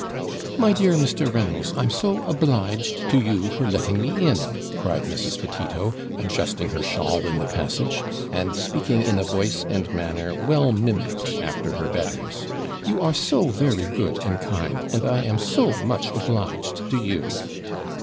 'My dear Mr. Reynolds, I'm so obliged to you for letting me in,' cried Mrs. Petito, adjusting her shawl in the passage, and speaking in a voice and manner well mimicked after her betters. 'You are so very good and kind, and I am so much obliged to you.'